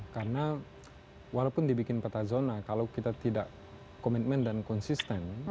karena walaupun dibikin peta zona kalau kita tidak komitmen dan konsisten